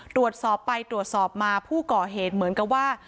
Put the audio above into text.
ตรวจสอบไปตรวจสอบมาผู้ก่อเหตุเหมือนกับว่า